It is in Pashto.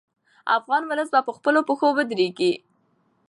افغان ولس به په خپلو پښو ودرېږي.